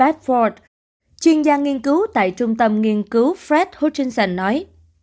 bepford chuyên gia nghiên cứu tại trung tâm nghiên cứu fred hutchinson nói